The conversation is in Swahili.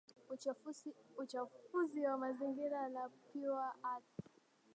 uchafuzi wa mazingira la Pure Earth